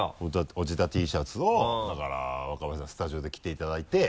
おじたＴシャツをだから若林さんスタジオで着ていただいて。